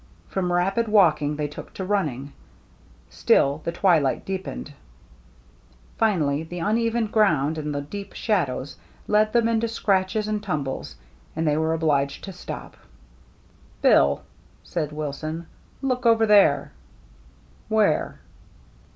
From rapid walking they took to running; still the twilight deepened. Finally the uneven ground and the deep shadows led them into scratches and tumbles, and they were obliged to stop. " Bill/' said Wilson, "look over there." "Where?"